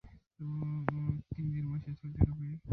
তিনি দেড় মাসে সৌদি আরবে সহিহ বুখারী মুখস্থ করেছিলেন।